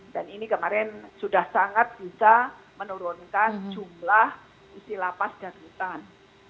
dan ini kemarin sudah sangat bisa menurunkan jumlah isi lapas dan rutan